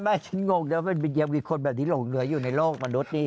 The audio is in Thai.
ฉันงงนะยังมีคนแบบนี้หลงเหลืออยู่ในโลกมนุษย์นี้